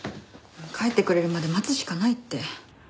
帰ってくれるまで待つしかないって。